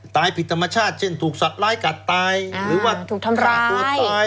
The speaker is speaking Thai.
ตายผิดธรรมชาติเช่นถูกสัตว์ร้ายกัดตายหรือว่าถูกทำร้ายตัวตาย